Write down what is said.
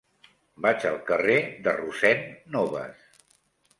Vaig al carrer de Rossend Nobas.